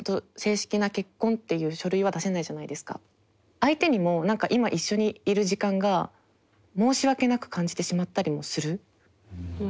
相手にも何か今一緒にいる時間が申し訳なく感じてしまったりもする。